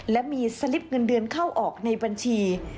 และมีสลิปเงินเดือนเข้าออกในบัญชี